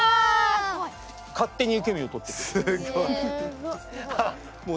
勝手に受け身を取ってくれる。